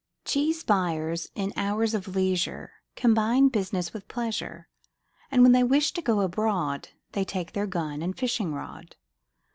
Cheese buyers in hours of leisure Combine business with pleasure, And when they wish to go abroad They take their gun and fishing rod.